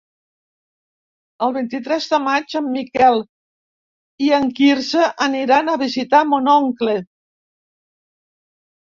El vint-i-tres de maig en Miquel i en Quirze aniran a visitar mon oncle.